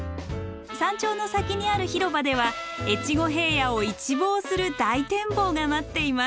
山頂の先にある広場では越後平野を一望する大展望が待っています。